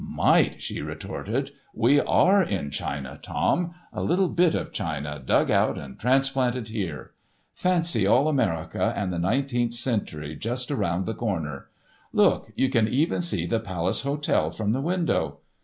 "Might?" she retorted; "we are in China, Tom—a little bit of China dug out and transplanted here. Fancy all America and the Nineteenth Century just around the corner! Look! You can even see the Palace Hotel from the window.